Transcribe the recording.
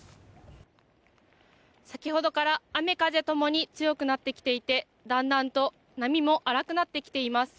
先ほどから雨風ともに強くなってきていてだんだんと波も荒くなってきています。